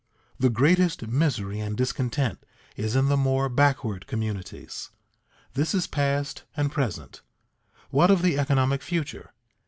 The greatest misery and discontent is in the more backward communities. This is past and present; what of the economic future?